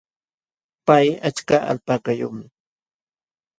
Pay achka alpakayuqmi.